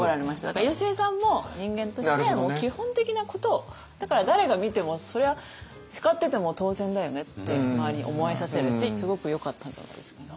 だからよしえさんも人間として基本的なことをだから誰が見てもそれは叱ってても当然だよねって周りに思えさせるしすごくよかったんじゃないですかね。